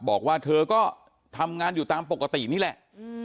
บอกว่าเธอก็ทำงานอยู่ตามปกตินี่แหละ